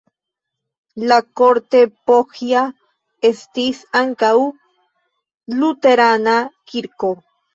En Kortepohja estis ankaŭ luterana kirko.